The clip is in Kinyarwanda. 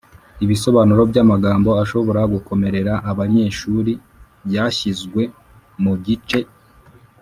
Ibisobanuro by’amagambo ashobora gukomerera abanyeshuri byashyizwe mu gice